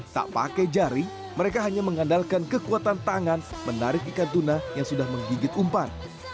tak pakai jari mereka hanya mengandalkan kekuatan tangan menarik ikan tuna yang sudah menggigit umpan